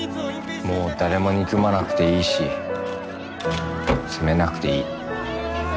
もう誰も憎まなくていいし責めなくていい。